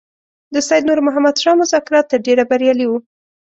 د سید نور محمد شاه مذاکرات تر ډېره بریالي وو.